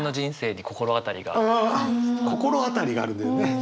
ああ心当たりがあるんだよね。